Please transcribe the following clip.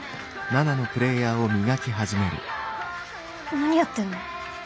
何やってんの？